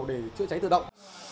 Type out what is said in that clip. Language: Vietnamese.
để chữa cháy tự động